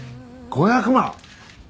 ５００万！？